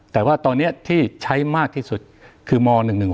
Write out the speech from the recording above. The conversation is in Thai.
แต่ว่าตอนนี้ที่ใช้มากที่สุดคือม๑๑๖